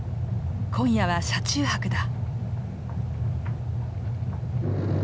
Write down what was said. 今夜は車中泊だ。